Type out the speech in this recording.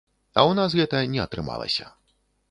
А ў нас гэта не атрымалася.